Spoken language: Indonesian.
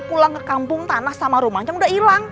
pulang ke kampung tanah sama rumahnya udah hilang